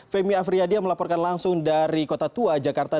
femi afriyadi yang melaporkan langsung dari kota tua jakarta